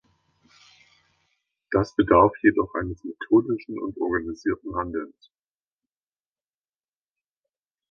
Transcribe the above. Das bedarf jedoch eines methodischen und organisierten Handelns.